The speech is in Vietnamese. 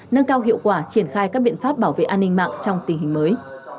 nâng cao hiệu quả triển khai các biện pháp bảo vệ an ninh mạng trong tình hình mới